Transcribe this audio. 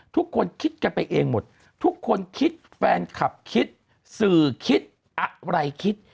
ทุกคนคิดกันไปเองหมดทุกคนคิดแฟนคลับคิดสื่อคิดอะไรคิด